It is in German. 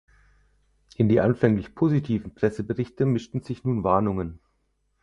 In die anfänglich positiven Presseberichte mischten sich nun Warnungen.